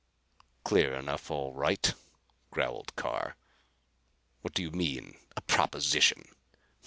"Clear enough, all right," growled Carr. "What do you mean a proposition?"